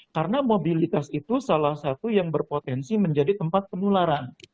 karena mobilitas itu salah satu yang berpotensi menjadi tempat penularan